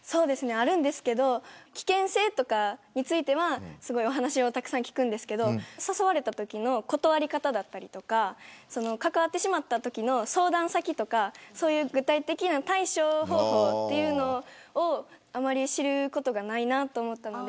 あるんですけど危険性とかについてはお話をたくさん聞くんですけど誘われたときの断り方だったり関わってしまったときの相談先とかそういう具体的な対処方法をあまり知ることがないなと思ったので。